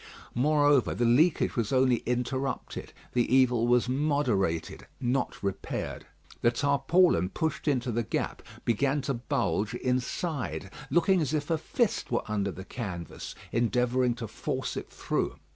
Moreover, the leakage was only interrupted; the evil was moderated, not repaired. The tarpaulin pushed into the gap began to bulge inside; looking as if a fist were under the canvas, endeavouring to force it through.